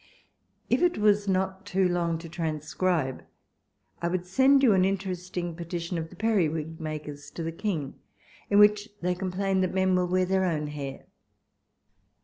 If it was not too long to transcribe, I would send you an interesting petition of the periwig makers to the King, in which they com plain that men will wear their own hair.